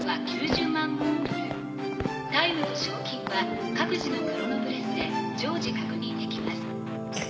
タイムと賞金は各自のクロノブレスで常時確認できます。